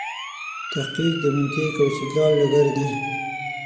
تحقیق د منطق او استدلال ډګر دی.